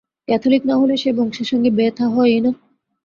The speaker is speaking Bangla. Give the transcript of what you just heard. ক্যাথলিক না হলে সে বংশের সঙ্গে বে-থা হয়ই না।